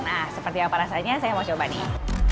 nah seperti apa rasanya saya mau coba nih